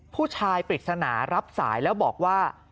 ปริศนารับสายแล้วบอกว่า